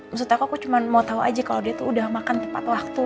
maksud aku aku cuma mau tahu aja kalau dia tuh udah makan tepat waktu